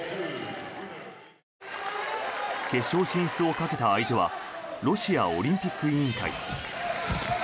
決勝進出をかけた相手はロシアオリンピック委員会。